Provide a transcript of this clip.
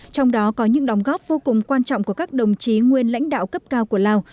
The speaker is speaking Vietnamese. trong đó có những đóng góp vô cùng quan trọng của các đồng chí nguyên lãnh đạo cấp cao của lào